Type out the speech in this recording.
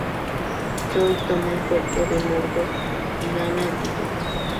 Joe toma el cuerpo de Murdoch y gana el título.